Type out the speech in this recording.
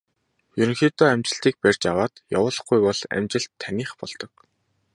Ерөнхийдөө амжилтыг барьж аваад явуулахгүй бол амжилт таных болдог.